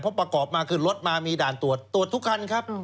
เพราะประกอบมาขึ้นรถมามีด่านตรวจตรวจทุกคันครับ